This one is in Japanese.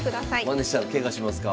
まねしたらケガしますか。